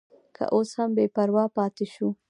که اوس هم بې پروا پاتې شو.